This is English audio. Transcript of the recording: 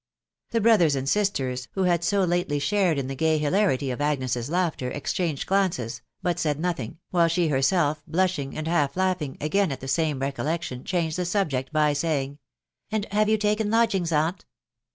The brother and sisters, who had so lately shared in Jhe gay hilarity of Agnes' s laughter, exchanged glances, but said no thing, while she herself blushing, and half laughing again at the same recollection, changed the subject by wing, — And have you taken lodgings, aunt?